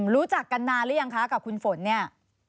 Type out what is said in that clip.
รู้จักกันนานหรือยังคะกับคุณฝนเนี่ย